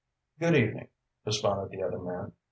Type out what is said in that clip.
"Good evening," responded the other man.